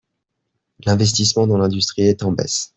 L’investissement dans l’industrie est en baisse.